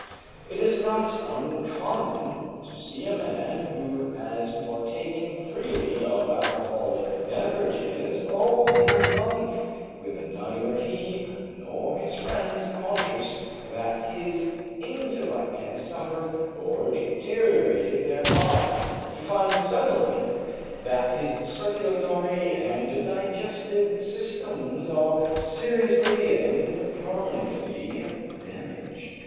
It is not uncommon to see a man who has partaken freely of alcoholic beverages all his life with neither he nor his friends conscious that his intellect has suffered or deteriorated thereby, to find suddenly that his circulatory and digestive systems are seriously and permanently damaged.